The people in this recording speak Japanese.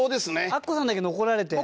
明子さんだけ残られて。